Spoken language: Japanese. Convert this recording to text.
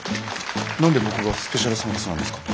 何で僕がスペシャルサンクスなんですか？